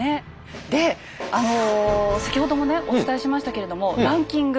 であの先ほどもねお伝えしましたけれどもランキング